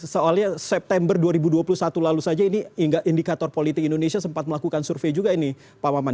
soalnya september dua ribu dua puluh satu lalu saja ini indikator politik indonesia sempat melakukan survei juga ini pak maman